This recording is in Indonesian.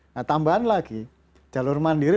nah tambahan lagi jalur mandiri